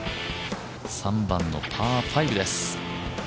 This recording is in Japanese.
３番のパー５です。